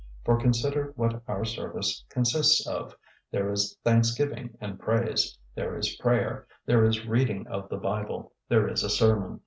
For consider what our service consists of: there is thanksgiving and praise, there is prayer, there is reading of the Bible, there is a sermon.